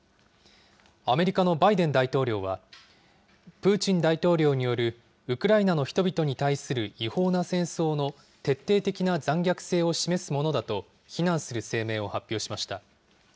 アメリカのバイデン大統領は、プーチン大統領によるウクライナの人々に対する違法な戦争の徹底的な残虐性を示すものだと、非難する声明を発表しました。